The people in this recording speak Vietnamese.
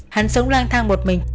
hắn sống lang thang một mình